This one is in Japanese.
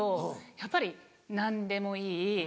やっぱり「何でもいい」。